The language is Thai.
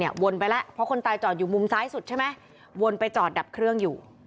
วนไปแล้วเพราะคนตายจอดอยู่มุมซ้ายสุดใช่ไหมวนไปจอดดับเครื่องอยู่